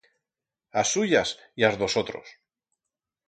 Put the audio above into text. As suyas y as d'os otros.